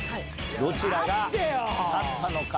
どちらが勝ったのか？